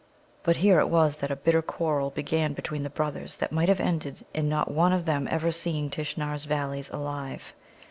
But here it was that a bitter quarrel began between the brothers that might have ended in not one of them ever seeing Tishnar's Valleys alive.